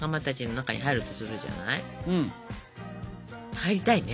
入りたいね